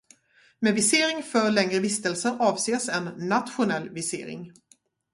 Med visering för längre vistelse avses en nationell visering.